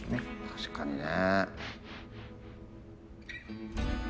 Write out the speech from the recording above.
確かにね。